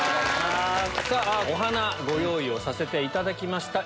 さぁお花ご用意をさせていただきました。